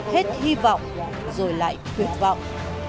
hết hy vọng rồi lại tuyệt vọng